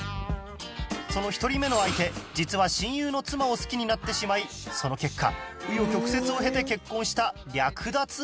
その１人目の相手実は親友の妻を好きになってしまいその結果紆余曲折を経て結婚した略奪愛だったそう